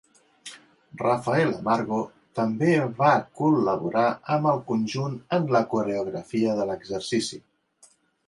Rafael Amargo també va col·laborar amb el conjunt en la coreografia de l'exercici.